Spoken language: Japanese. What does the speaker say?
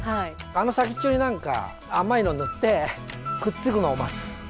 あの先っちょに何か甘いの塗ってくっつくのを待つ。